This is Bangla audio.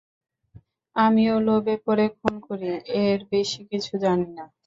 আমিও লোভে পরে খুন করি, এর বেশি কিছু জানি না।